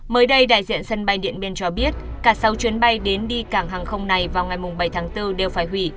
mới đây đại diện sân bay điện biên cho biết cả sáu chuyến bay đến đi cảng hàng không này vào ngày bảy tháng bốn đều phải hủy